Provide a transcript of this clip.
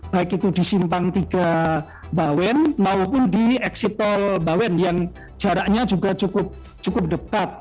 baik itu di simpang tiga bawen maupun di eksit tol bawen yang jaraknya juga cukup dekat